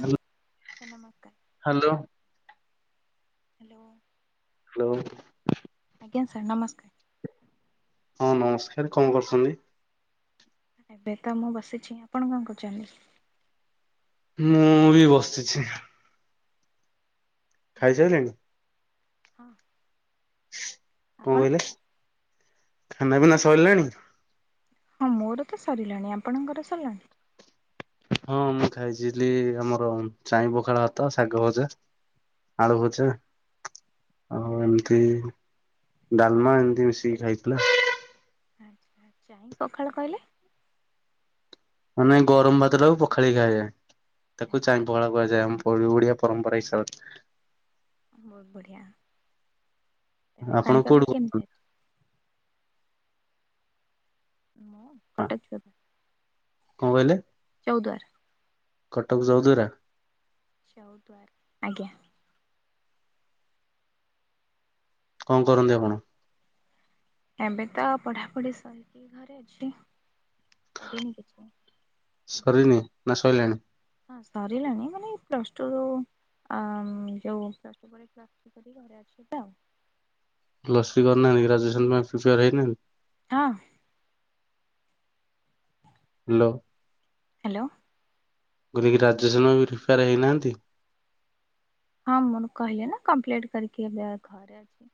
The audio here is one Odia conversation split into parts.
ହାଲୋ। ସାର୍ ନମସ୍କାର। ହାଲୋ। ହାଲୋ। ହାଲୋ। ଆଜ୍ଞା ସାର୍ ନମସ୍କାର। ହଁ ନମସ୍କାର କଣ କରୁଛନ୍ତି? ଏବେ ତ ମୁଁ ବସିଚି ଆପଣ କଣ କରୁଚନ୍ତି? ମୁଁ ବି ବସିଛି। ଖାଇ ଆଚ୍ଛା ସାଇଲେଣି? ହଁ। କଣ ଆପଣ କହିଲେ ଖାନା ପିନା ସଇଲାଣି? ହଁ ମୋର ତ ସରିଲାଣି ଆପଣଙ୍କର ସରିଲାଣି? ହଁ ମୁଁ ଖାଇଥିଲି ଆମର ଚାଇଁ ପଖାଳ ଭାତ, ଶାଗ ଭଜା। ଆଳୁ ଭଜା। ଆଉ ଏମତି ଡାଲମା ଏମତି ମିଶିକି ଖାଇଥିଲା। ଆଛା ଚାଇଁ ପଖାଳ କହିଲେ? ମାନେ ଗରମ ଭାତଟାକୁ ପଖାଳି ଖାଇବା ତାକୁ ଚାଇଁ ପଖାଳ କରାଯାଏ ଆମ ଓ ଓଡିଆ ପରମ୍ପରା ହିସାବରେ। ବୋହୁତ ବଢ଼ିଆ ଏବେ ଆପଣ କୋଉଠୁ ପାଣିପାଗ କେମତି କହୁଛନ୍ତି? ଅଛି? ମୁଁ କଟକ [unintelligible] ଏବେ କଣ କହିଲେ? ଚୋଉଦ୍ଵାର। କଟକ ଯୋଉଦ୍ଵାରା। ଚୋଉଦ୍ଵାର ଆଜ୍ଞା। କଣ କରନ୍ତି ଆପଣ? ଏବେ ତ ପଢ଼ାପଢ଼ି ସରିକି ଘରେ ଅଛି କରିନି କିଛି। ସରିନି ନା ସଇଲାଣି? ହଁ ସାରିଲାଣି ମାନେ ପ୍ଲସଟୁରୁ ଯୋଉ ପ୍ଲସଟୁ ପରେ ପ୍ଲସ ସରିକି ଘରେ ଅଛି ତ ଆଉ ପ୍ଲସଥ୍ରି କରି ନାହାଁନ୍ତି କି ଗ୍ରାଜୁଏସନ୍ ପାଇଁ ପ୍ରିପେୟାର ହେଇ ନାହାଁନ୍ତି। ହଁ। ହାଲୋ। ହାଲୋ। ମୁଁ କହିଲି କି ଗ୍ରାଜୁଏସନ ବି ପ୍ରିପେୟାର ହେଇନାହାନ୍ତି। ହଁ ମୁଁ ଏନୁ କହିଲି ନା କମ୍ପ୍ଲେଟି କରିକି ଏବେ ଆ ଘରେ ଅଛି।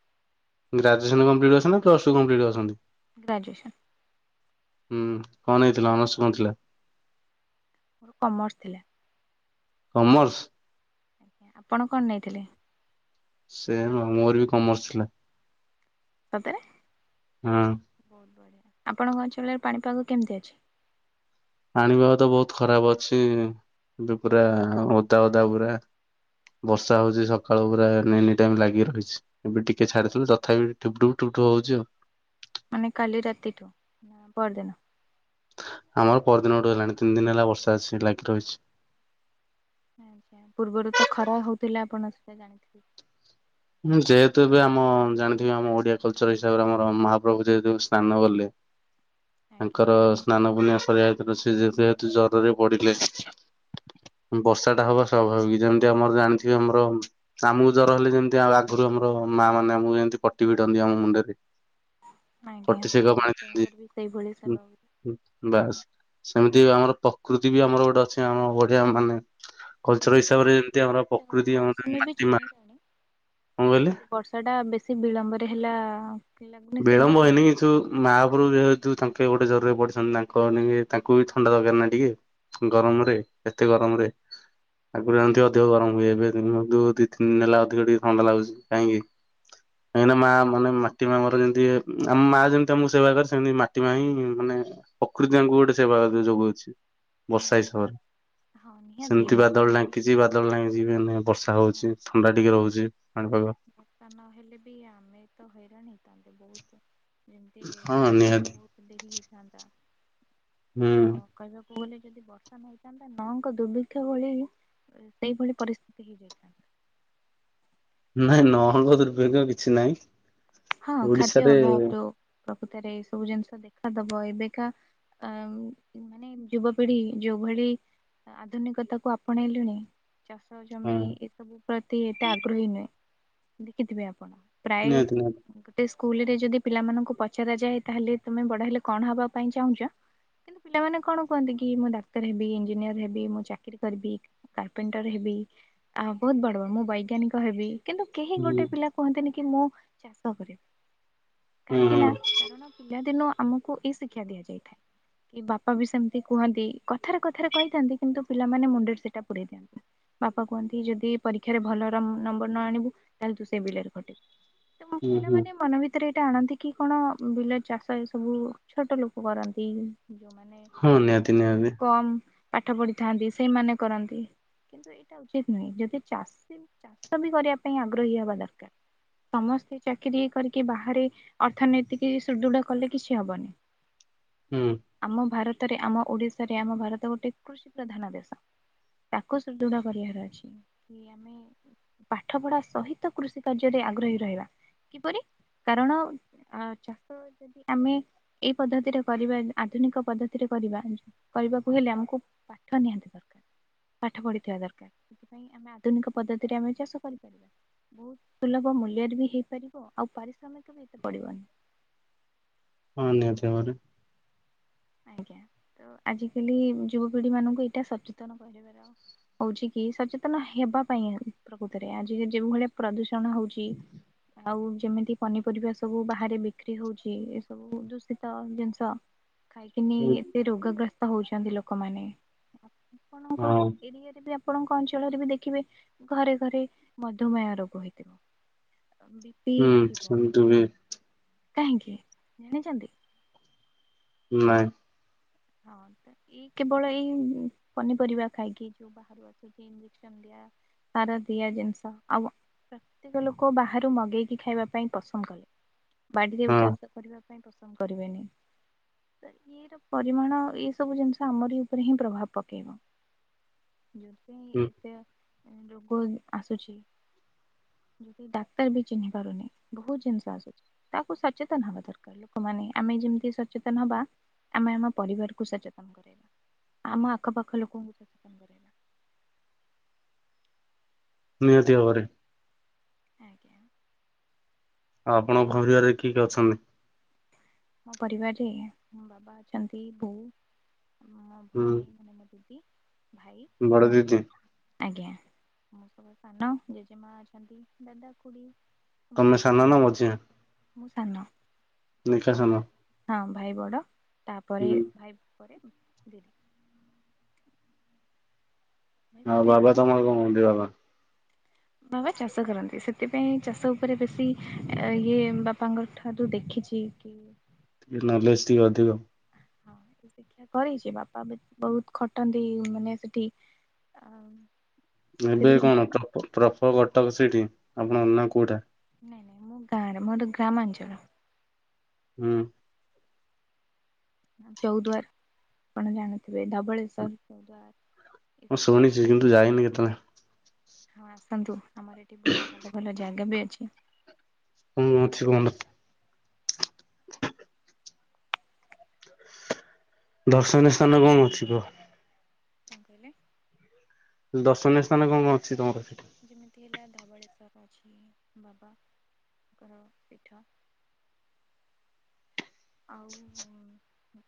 ଗ୍ରାଜୁଏସନ୍ କମ୍ପ୍ଲିଟ କରିଛନ୍ତି ନା ପ୍ଲସଟୁ କମ୍ପ୍ଲିଟ କରିଛନ୍ତି। ଗ୍ରାଜୁଏସନ୍। ହୁଁ, କଣ ନେଇଥିଲ, ଅନର୍ସ କଣ ଥିଲା? ମୋର କମର୍ସ ଥିଲା। କମର୍ସ? ଆଜ୍ଞା ଆପଣ କଣ ନେଇଥିଲେ? ସେମ ମୋର ବି କମର୍ସ ଥିଲା। ସତରେ? ହଁ। ବହୁତ ବଢିଆ, ଆପଣଙ୍କ ଅଞ୍ଚଳରେ ପାଣିପାଗ କେମିତି ଅଛି? ପାଣିିପାଗ ତ ବହୁତ ଖରାପ ଅଛି, ଏବେ ପୁରା ଓଦା ଓଦା ପୁରା। ବର୍ଷା ହଉଛି ସକାଳୁ ପୁରା ଏନି ଟାଇମ୍ ଲାଗି ରହିଛି। ଏବେ ଟିକେ ଛାଡିଥିଲା ତଥାପି ଠୁପଠୁପ ଠୁପଠୁପୁ ହଉଛି ଆଉ। ମାନେ କାଲି ରାତିଠୁ ନା ପଅରଦିନ? ଆମର ପଅରଦିନଠୁ ହେଲାଣି, ତିନି ଦିନ ହେଲା ବର୍ଷା ଆସି ଲାଗି ରହିଛି। ପୂର୍ବରୁ ତ ଖରା ହଉଥିଲା ଆପଣ ସେଟା ଜାଣିିଥିବେ। ହୁଁ, ଯେହେତୁ ଏବେ ଆମ ଜାଣିଥିବେ ଆମ ଓଡିଆ କଲଚର୍ ର ହିସାବରେ ଆମର ମହାପ୍ରଭୁ ଯେହେତୁ ସ୍ନାନ କଲେ ଆଜ୍ଞା ତାଙ୍କର ସ୍ନାନ ପୂର୍ଣ୍ଣିମା ସରିିବା ଭିତରେ ସେ ଯେ ଯେହେତୁ ଜରରେ ପଡିଲେ ବର୍ଷା ଟା ହବା ସ୍ୱାଭାବିକ, ଯେମିତି ଆମର ଜାଣିଥିବେ ଆମର ଆମୁକୁ ଜର ହେଲେ ଯେମ ଯେ ଆଗରୁ ଆମର ମା ମାନେ ଆମକୁ ଯେମିତି ପଟି ଭିଡନ୍ତି ଆମ ମୁଣ୍ଡରେ। ଆଜ୍ଞା ପଟିଶେଖା ଆମ ପାଣି ଆପଣଙ୍କର ବି ସେଇଭଳି ସେବା ହୁଏ। ଦିଅନ୍ତି ହୁଁ,। ବାସ୍ ସେମିତି ଆମର ପ୍ରକୃତି ବି ଆମର ଗୋଟେ ଅଛି ଆମ ବଢିଆ ମାନେ ହଁ କଲଚର୍ ହିସାବରେ ଯେମିତି ଆମର ତ ପ୍ରକୃତି ଆମର ମାଟି ମା। କଣ ହଁ କହିଲେ କିନ୍ତୁ ବର୍ଷା ଟା ବେଶୀ ବିଳମ୍ବରେ ହେଲା। ଲାଗୁନି ବିଳମ୍ବ ସେଇଭଳି। ହେଇନି କିନ୍ତୁ ମାପ୍ରଭୁ ଯେହେତୁ ତାଙ୍କେ ଗୋଟେ ଜରରେ ପଡିଛନ୍ତି ତାଙ୍କ ନେଗି ତାଙ୍କୁ ବି ଥଣ୍ଡା ଦରକାର ନା ଟିକେ। ଗରମ ରେ ଏତେ ଗରମ ରେ ଆଗରୁ ହଁ ଯେମିତି ଅଧିକ ଗରମ ହୁଏ, ଏବେ ଦିନୁ ଯୋଉ ଦି ତିନି ଦିନ ହେଲା ଅଧିକ ଟିକେ ଥଣ୍ଡା ଲାଗୁଛି କାହିଁକି କାହିଁକି ନା ମା ମାନେ ମାଟି ମା ମୋ ର ଯେମିତି ଏ ଆମ ମା ଯେମିତି ଆମକୁ ସେବା କରେ, ସେମିତି ମାଟି ମା ହିଁ ମାନେ ପ୍ରକୃତି ୟାଙ୍କୁ ଗୋଟେ ସେବା ଯୋଗଉଛି। ବର୍ଷା ହିସାବରେ ହଁ ନିହାତି ସେମିତି ବର୍ଷା ବାଦଲ ନହେଲେ ଢାଙ୍କିଚି ବାଦ ଦଲ ଢାଙ୍କିଚି ମାନେ ବର୍ଷା ହଉଛି, ଥଣ୍ଡା ଟିକେ ହଉଚି ପାଣିପାଗ। ବର୍ଷ ନହେଲେ ବି ଆମେ ତ ହଇରାଣ ହେଇଥାନ୍ତେ ବହୁତ। ଯେମିତି ହଁ ନିହାତି ଚାଷକୁ ଡେରି ହେଇଥାନ୍ତା। ହୁଁ କଣ କହିଲ? ଭୁଲେ ଯଦି ବର୍ଷା ନ ହେଇଥାନ୍ତା ନଙ୍କ ଦୁର୍ବିକ୍ଷ ଭଳି ଏ ସେଇଭଳି ପରିସ୍ଥିତି ହେଇଯାଇଥାନ୍ତା। ନାଇଁ ନଙ୍କ ଦୁର୍ବିକ୍ଷ କିଛି ନାଇଁ। ହଁ ଖାଦ୍ୟ ଅଭାବରୁ। ପ୍ରକୃତରେ ଏଇ ସବୁ ଜିନିଷ ଦେଖାଦବ ଏବେକା ଆ ମାନେ ଯୁବପିଢି ଯୋଉଭଳି ଆଧୁନିକତାକୁୁ ଆପଣେଇଲେଣି ଚାଷ ହଁ ଜମି ଏସବୁ ପ୍ରତି ଏତେ ଆଗ୍ରହୀ ନୁହେଁ, ଦେଖିଥିବେ ଆପଣ, ପ୍ରାୟେ ନିହାତି ନିହାତି ଗୋଟେ ସ୍କୁଲ୍ ରେ ଯଦି ପିଲାମାନଙ୍କୁ ପଚରା ଯାଏ ତାହେଲେ ତୋମେ ବଡ ହେଲେ କଣ ହବା ପାଇଁ ଚାହୁଁଚ? କିନ୍ତୁ ପିଲାମାନେ କଣ କୁହନ୍ତି କି ମୁଁ ଡାକ୍ତର ହେବି, ଇଞ୍ଜିନିୟର୍ ହେବି, ମୁଁ ଚାକିରି କରିବି। କାର୍ପେଣ୍ଟର୍ ହେବି, ଆ, ବହୁତ ବଡ ମୁଁ ବୈଜ୍ଞାନିକ ହେବି। କିନ୍ତୁ କେହି ହୁଁ ଗୋଟେ ପିଲା କୁହନ୍ତିନି କି ମୁଁ ଚାଷ କରିବି। ହୁଁ କାହିଁକି ହୁଁ ନା କାରଣ ପିଲାଦିନୁ ଆମକୁ ଏଇ ଶିକ୍ଷା ଦିଆଯାଇଥାଏ। କି ବାପା ବି ସେମିତି କୁହନ୍ତି କଥାରେ କଥାରେ କହିଥାନ୍ତି କିନ୍ତୁ ପିଲାମାନେ ମୁଣ୍ଡରେ ସେଟା ପୁରେ [inaudible] ବାପା କୁହନ୍ତି ଯଦି ପରୀକ୍ଷାରେ ଭଲ ରମ୍ୱ ନମ୍ବର ନ ଆଣିବୁ ତାହେଲେ ତୁ ସେ ବିଲରେ ଖଟିବୁ। ତ ହୁଁ ହୁଁ। ପିଲାମାନେ ମନ ବି ରେ ଏଇଟା ଆଣନ୍ତି କି କଣ ବିଲ ଚାଷ ଏ ସବୁ ଛୋଟ ଲୋକ କରନ୍ତି। ଯୋଉମାନେ ହଁ ନିହାତି ନିହାତି କମ୍ ପାଠ ପଢିଥାନ୍ତି ସେଇମାନେ କରନ୍ତି। କିନ୍ତୁ ସେଇଟା ଉଚିତ ନୁହେଁ ଯଦି ଚାଷୀ ଚାଷ ବି କରିବା ପାଇଁ ଆଗ୍ରହୀ ହେବା ଦରକାର। ସମସ୍ତେ ଚାକିରି କରିକି ବାହାରେ ଅର୍ଥନୀତିକି ସୁଦୃଢ କଲେ କିଛି ହବନି। ହୁଁ। ଆମ ଭାରତରେ ଆମ ଓଡିଶାରେ ଆମ ଭାରତ ଗୋଟେ କୃଷି ପ୍ରଧାନ ଦେଶ। ତାକୁ ସୁଦୃଢ କରିବାର ଅଛି କି ପାଠ ପଢା ସହିତ କୃଷି କାର୍ଯ୍ୟରେ ଆଗ୍ରହୀ ରହିବା କିପରି କାରଣ ଚାଷ ଯଦି ଆମେ ଏଇ ପଦ୍ଧତିରେ କରିବା ଆଧୁନିକ ପଦ୍ଧତିରେ କରିବା କରିବାକୁ ହେଲେ ଆମକୁ ପାଠ ନିହାତି ଦରକାର ପାଠ ପଢ଼ିଥିବା ଦରକାର। ପାଇଁ ଆମେ ଆଧୁନିକ ପଦ୍ଧତିରେ ଆମେ ଚାଷ କରିପାରିବା ବହୁତ ସୁଲଭ ମୂ ତିଆରୀ ହେଇପାରିବ ଆଉ ପାରିଶ୍ରମିକ ବି ଏତେ ପଡିବନି। ହଁ ନିହାତି ଭାବରେ। ଆଜ୍ଞା ତ ଆଜିକାଲି ଯୁବପିଢି ମାନଙ୍କୁ ଏଇଟା ସଚେତନ କରିବାର ହଉଛି କି ସଚେତନ ହେବା ପାଇଁ ଆଉ ପ୍ରକୃତରେ ଆଜି ଯେଉ ଭଳିଆ ପ୍ରଦୂଷଣ ହଉଛି। ଆଉ ଯେମିତି ପନିପରିବା ସବୁ ବାହାରେ ବିକ୍ରି ହେଉଛି ଏସବୁ ଦୂଷିତ ଜିନିଷ। ଖାଇକିନି ଏତେ ରୋଗଗ୍ରସ୍ତ ହଉଛନ୍ତି ଲୋକମାନେ ଆପଣଙ୍କ ହଁ। ଏରିଆରେ ବି ଆପଣଙ୍କ ଅଞ୍ଚଳରେ ବି ଦେଖିବେ ଘରେ ଘରେ ମଧୁମେହ ରୋଗ ହେଇଥିବ। ହୁଁ ଥିବ ସେମିତି ହୁଏ। କାହିଁକି ଜାଣିଚନ୍ତି? ନାଇଁ। ହଁ ତ ଏଇ କେବଳ ଏଇ ପନିପରିବା ଖାଇକି ଯୋଉ ବାହାରୁ ଆସିକି [unintelligible] ସାର ଦିଆ ଜିନିଷ ଆଉ ପ୍ରତ୍ୟେକ ଲୋକ ବାହାରୁ ମଗେଇକି ଖାଇବା ପାଇଁ ପସନ୍ଦ କଲେ। ବାଡିରେ ଆଉ ହଁ ଚାଷ କରିବା ପାଇଁ ପସନ୍ଦ କରିବେନି ତ ଇଏ ରୁ ପରିମାଣ ଏସବୁ ଜିନିଷ ଆମରି ଉପରେ ହିଁ ପ୍ରଭାବ ପକାଇବ। ପାଇଁ ହୁଁ ଏତେ ରୋଗ ଆସୁଚି ଡାକ୍ତର ବି ଚିହ୍ନି ପାରୁନି ବହୁତ ଜିନିଷ ଆସୁଚି। ଆକୁ ସଚେତନ ହେବା ଦରକାର ଲୋକମାନେ ଆମେ ଯେମିତି ସଚେତନ ହେବା। ଆମେ ଆମ ପରିବାରକୁ ସଚେତନ କରାଇବା ଆମ ଆଖପାଖ ଲୋକଙ୍କୁ କରେଇବା ନିହାତି ଭାବରେ। ଆଜ୍ଞା। ଆଉ ଆପଣ ଘର ଦୁଆରେ କିଏ କିଏ ଅଛନ୍ତି? ମୋ ପରିବାରରେ ମୋ ବାବା ଅଛନ୍ତି ବୋଉ। ମୋ ହୁଁ ଭଉଣୀ ମାନେ ଦିଦି ଭାଇ ବଡ ମୁଁ। ଦିଦି ଆଜ୍ଞା ମୁଁ ସବୁ ସାନ ଜେଜେମା ଅଛନ୍ତି ଦାଦା ଖୁଡି। ତମେ ସମସ୍ତେ ସାନ ନା ମଝିଆଁ? ମୁଁ ସାନ। ସାନ ହଁ ଭାଇ ବଡ଼ ତାପରେ ହୁଁ। ଭାଇ ପରେ ମୁଁ। ଭାଇ ଆଉ ପରେ ବାବା ନୁହେଁ ତମର କଣ କଅନ୍ତି ବାବା। ବାବା ଚାଷ କରନ୍ତି, ସେଥିପାଇଁ ଚାଷ ଉପରେ ବେଶୀ ଇଏ ବାପାଙ୍କ ଠାରୁ ଦେଖିଚି। ଯିଏ କି ଟି ନଲେସ୍ ଟିକେ ଅଧିକ। ହଁ ଶିକ୍ଷା କରେଇଚି ବାପା ବି ବହୁତ୍ ଖଟନ୍ତି, ମାନେ ସେଠି। ଆଉ ଏବେ କଣ ପପ୍ ପ୍ରପର କଟକ ସେଇଠି ଆପଣଙ୍କ, ନା କୋଉଟା? ନାଇଁ ନାଇଁ ମୁଁ ଗାଁରେ ମୋର ଗ୍ରାମାଞ୍ଚଳ। ହୁଁ। ଚୌଦ୍ୱାର ଆପଣ ଜାଣିଥିବେ ଧବଳେଶ୍ଵର ଚୌଦ୍ୱାର। ଏସବୁ ଯେ କିନ୍ତୁ ଯାଇନି କେତେବେଳେ। ହଁ ଆସନ୍ତୁ, ଆମର ଏଠି ବହୁତ୍ ଭଲ ଭଲ ଜାଗା ବି ଅଛି। ମୁଁ ଅଛି ଗଣ୍ଡ୍ ଦର୍ଶନୀୟ ସ୍ଥାନ କଣ ଅଛି କୁହ? କଣ କହିଲେ? ଦର୍ଶନୀୟ ସ୍ତାନ କଣ କଣ ଅଛି? ତମର ସେଠି। ଯେମିତି ହେଲା ଧବଳେଶ୍ୱର ବାବାଙ୍କର ପୀଠ। ଆଉ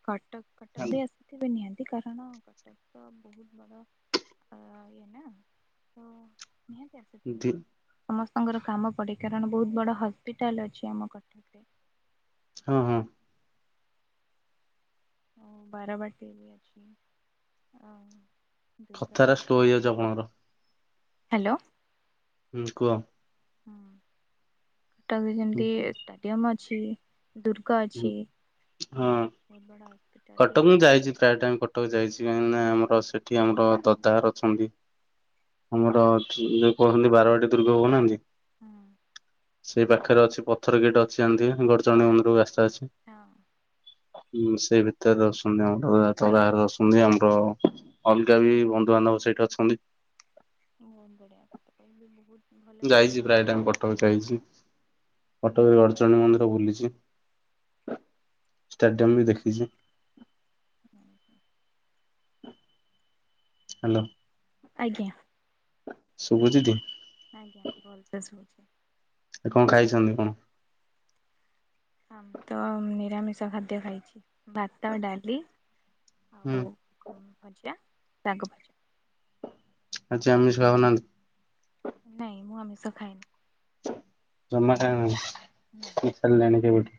କଟକ୍ କଟକ ବି ଆସିଥିବେ ନିହାତି କାରଣ କଟକ ତ ବହୁତ୍ ବଡ଼ ଇଏ ନା ତ ନିହାତି ଆସଥିବେ। ଦି ସମସ୍ତଙ୍କର କାମ ପଡ଼େ କାରଣ ବହୁତ ବଡ଼ ହସ୍ପିଟାଲ ଅଛି ଆମ କଟକରେ। ହଁ ହଁ। ବାର ବାଟି ବି ଅଛି ଆଉ ଦୁର୍ଗା ବି କଥାରା ସ୍ଲୋ ଅଛି ହେଇଯାଉଚି ଆପଣଙ୍କର। ହ୍ୟାଲୋ। ହୁଁ କୁହ। ହୁଁ କଟକ ବି ଯେମତି ଷ୍ଟାଡିୟମ୍ ଅଛି। ଦୁର୍ ଗ ଅଛି, ଆଉ ହଁ ବହୁତ୍ ବଡ ହସ୍ପିଟାଲ୍ ବି କଟକ ଅଛି। ମୁଁ ଯାଇଛି ପ୍ରାୟ ଟାଇମ୍ କଟକ ଯାଇଚି କାହିଁକିନା ଆମର ସେଠି ଆମର ଦଦାଘର ଅଛନ୍ତି। ଆମର ଏଠି, ଜଉ କହୁନାହାଁନ୍ତି ବାରବାଟୀ ଦୁର୍ଗ କହୁନାହାଁନ୍ତି ହୁଁ। ସେଇ ପାଖରେ ଅଛି ପଥର ଗେଟ୍ ଅଛି ଜାଣିଥିବେ ଗଡଚଣ୍ଡି ମନ୍ଦିରକୁ ରାସ୍ତା ଅଛି। ହଁ। ହୁଁ ସେଇ ଭିତରେ ରହୁସନ୍ତି, ଆମର ଦଦାଘର ରହୁସନ୍ତି ଆମର ଅଲଗା ବି ବନ୍ଧୁବାନ୍ଧବ ସେଇଠି ଅଛନ୍ତି। ବହୁତ ବଢିଆ କଥା କଟକରେ ବି ବହୁତ ଭଲ ମୁଁ ଯାଇଚି ଜାଗା ପ୍ରାୟ ଅଛି ଟାଇମ୍ କଟକ ବୁଲିବା ଯାଇଚି। ପାଇଁ କଟକ ରେ ଗଡଚଣ୍ଡୀ ମନ୍ଦିର ବୁଲିଚି, ଷ୍ଟାଡିୟମ ବି ଦେଖିଛି। ହୁଁ ହୁଁ। ହାଲୋ। ଆଜ୍ଞା। ଶୁଭୁଚି ଟି। ଆଜ୍ଞା, ଭଲ ସେ ଶୁଭୁଚି। ଆଜି କଣ ଖାଇଛନ୍ତି, କଣ? ଆମେ ତ ନିରାମିଷ ଖାଦ୍ୟ ଖାଇଚି ଭାତ ଡାଲି। ହୁଁ। ହଁ ଭଜା, ଶାଗ ଭଜା। ଆଜି ଆମିଷ ଖାଉନାହାନ୍ତି। ନାଇଁ ମୁଁ ଆମିଷ ଖାଏନି। ଜମା ଖାଇବେନି। ନାଇଁ। ସରିଲାଣି ଡିଉଟି।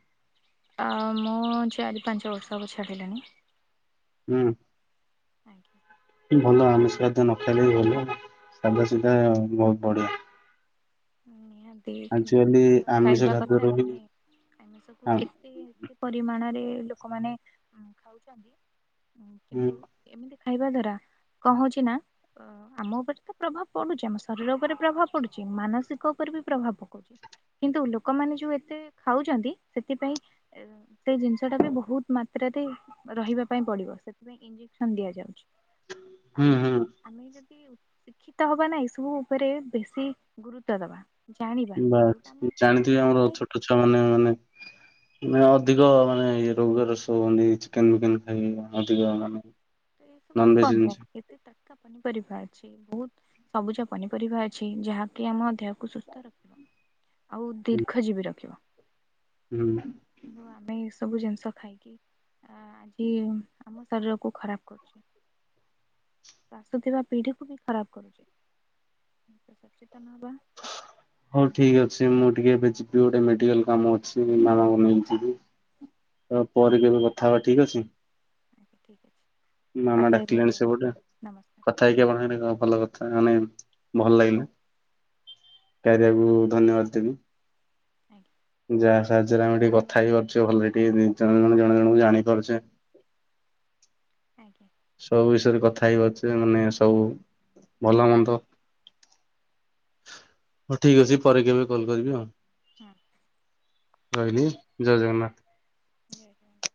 ମୁଁ ଚାରି ପାଞ୍ଚ ବର୍ଷ ହବ ଛାଡ଼ିଲିଣି। ହୁଁ। Thank you. ଭଲ ଆମିଷ ଖାଦ୍ୟ ନ ଖାଇଲେ ଭଲ। ସାଦାସିଧା ବହୁତ ବଢିଆ। ନିହାତି ଏମିତି ଆଜିକାଲି ତ ଆମିଷ ଖାଇବା କଥା ଖାଦ୍ୟରୁ ବି ନୁହେଁ। ଆମେ ସବୁ ହୁଁ ଏତେ ଏତେ ପରିମାଣରେ ଲୋକମାନେ ଖାଉଚନ୍ତି କିନ୍ତୁ ହୁଁ ଏମିତି ଖାଇବା ଦ୍ୱାରା କଣ ହଉଚି ନା ଆ ଆମ ଉପରେ ତ ପ୍ରଭାବ ପଡୁଛି, ଆମ ଶରୀର ଉପରେ ପ୍ରଭାବ ପଡୁଛି, ମାନସି ସିକ ଉପରେ ବି ପ୍ରଭାବ ପକଉଚି, କିନ୍ତୁ ଲୋକମାନେ ଯୋଉ ସେ ଜିନିଷ ଟା ବି ବହୁତ ମାତ୍ରାରେ ରହିବା ପାଇଁ ପଡିବ। ସେଥିପାଇଁ ଇଞଜେସନ୍ ଦିଆଯାଉଛି। ଆମେ ହୁଁ ଆମେ ଯଦି ଶିକ୍ଷିତ ହବା ନାଇଁ ଏଇ ସବୁ ଉପରେ, ବେଶି ଗୁରୁ ତ୍ୱ ଦବା, ଜାଣିବା, ବାସ୍ ଯୋଉଟା ଆମ ଜାଣିଥିବେ ଦେହ ପାଇଁ [unintelligible] ମାନେ ମାନେ ନା ଅଧିକ ମାନେ ରୋଗର ସେ ପୁଣି ଚିକେନ୍ ଫିକେନ୍ ଖାଇକିନା ତ ଅଧିକା ମାନେ ଏସବୁ କଣ ନନ୍ଭେଜ୍ ପାଇଁ ଜିନିଷ ଏତେ ତାଟ୍କା ପନିପରିବା ଅଛି। ବହୁତ ସବୁଜ ପନିପରିବା ଅଛି ଯାହାକି ଆମ ଦେହକୁ ସୁସ୍ଥ ରଖେ। [inaudible] ଆଉ ହୁଁ ଦୀର୍ଘଜୀବି ରଖିବ। ହୁଁ। କିନ୍ତୁ ଆମେ ଏସବୁ ଜିନିଷ ଖାଇକି, ଆଜି ଆମ ଶରୀରକୁ ଖରାପ କରୁଚେ। ଆସୁଥିବା ପିଢ଼ିକୁ ବି ଖରାପ କରୁଚେ। ସଚେତନ ହେବା ହଉ ଠିକ୍ ଅଛି। ମୁଁ ଟିକେ ଏବେ ଯିବି ଗୋଟେ ମେଡିକାଲ କାମ ଅଛି ମାମାଙ୍କୁ ନେଇଯିବି। ଆଉ ପରେ କେବେ କଥା ହବା। ଠିକ୍ ଅଛି। ଆଜ୍ଞା। ଠିକ୍ ଅଛି। ମାମା କଥା ହେଇ ବହୁତ ଡାକିଲେଣି ଭଲ ସେପଟେ। ଲାଗିଲା। ନମସ୍କାର କଥା ହେଇକି ଆପଣ ସହିତ ବହୁତ ଭଲ କଥା ମାନେ ଭଲ ଆଜ୍ଞା ଲାଗିଲା। [unintelligible] ଧନ୍ୟବାଦ ଦେବି। ଆଜ୍ଞା। ଯାହା ସାହାଯ୍ୟରେ ଆମେ ଟିକେ କଥା ହେଇ ପାରୁଛେ। ଭଲରେ ଟିକେ ଜେ-ଜ-ଜଣେ ଜଣଙ୍କୁୁ ଜାଣିପାରୁଚେ। ଆଜ୍ଞା। ସବୁ ବିଷୟରେ କଥା ହେଇପାରୁଛେ ମାନେ ସବୁ ଭଲ, ମନ୍ଦ। ହଉ ଠିକ୍ ଅଛି। ଳପରେ କେବେ କଲ୍ କରିବି ଆଉ। ହଁ ରହିଲି। ଜୟ ଜଗନ୍ନାଥ। [inaudible]